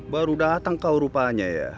baru datang kau rupanya ya